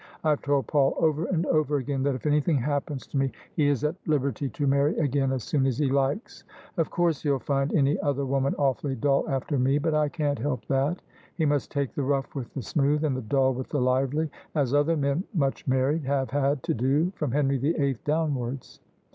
I've told Paul over and over again that if anything happens to me he is at liberty to marry again as soon as he likes. Of course he'll find any other woman awfully dull after me, but I can't help that: he must take the rough with the smooth and the dull with the lively, as other men much married have had to do, from Henry the Eighth downwards.